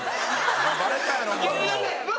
「バレたやろもう」